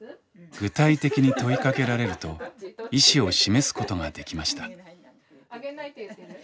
具体的に問いかけられると意思を示すことができました。